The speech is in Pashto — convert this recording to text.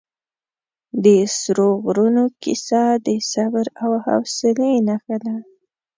د سرو غرونو کیسه د صبر او حوصلې نښه ده.